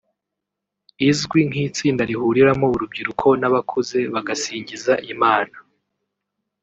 izwi nk’itsinda rihuriramo urubyiruko n’abakuze bagasingiza Imana